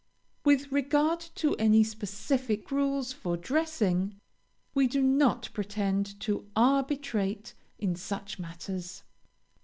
With regard to any specific rules for dressing, we do not pretend to arbitrate in such matters.